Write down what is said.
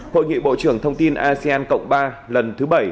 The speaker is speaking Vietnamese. hội nghị bộ trưởng thông tin asean cộng ba lần thứ bảy